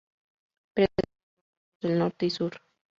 Predominan los vientos del norte y sur.